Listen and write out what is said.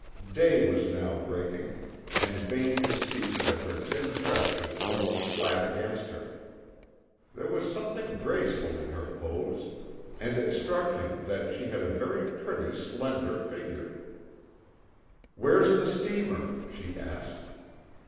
Day was now breaking, and Vane could see that her thin dress was blown flat against her. There was something graceful in her pose, and it struck him that she had a very pretty slender figure. "Where's the steamer?" she asked.